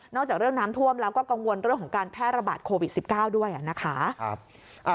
จากเรื่องน้ำท่วมแล้วก็กังวลเรื่องของการแพร่ระบาดโควิด๑๙ด้วยนะคะ